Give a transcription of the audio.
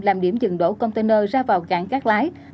làm điểm dừng đổ container ra vào gãn các lái